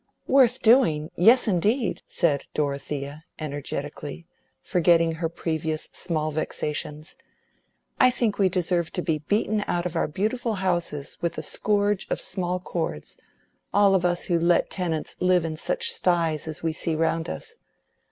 "Worth doing! yes, indeed," said Dorothea, energetically, forgetting her previous small vexations. "I think we deserve to be beaten out of our beautiful houses with a scourge of small cords—all of us who let tenants live in such sties as we see round us.